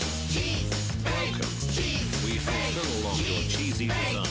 チーズ！